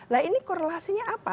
nah ini korelasinya apa